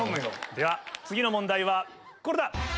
では次の問題はこれだ。